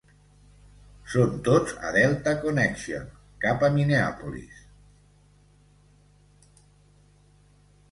Son tots a Delta Connection cap a Minneapolis.